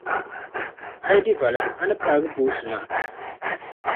A yi di valiŋ, a ni paagi boosu maa.